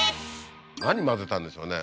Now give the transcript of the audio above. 何混ぜたんでしょうね？